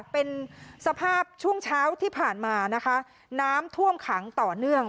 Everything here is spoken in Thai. เป็นสภาพช่วงเช้าที่ผ่านมานะคะน้ำท่วมขังต่อเนื่อง